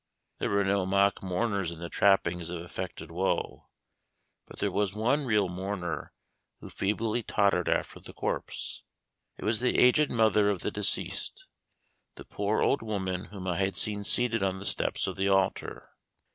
There were no mock mourners in the trappings of affected woe, but there was one real mourner who feebly tottered after the corpse. It was the aged mother of the deceased, the poor old woman whom I had seen seated on the steps of the altar.